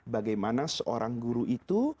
bagaimana seorang guru itu